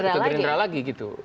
ke gerindra lagi